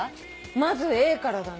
まずＡからだね。